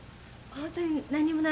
本当に何にもないの。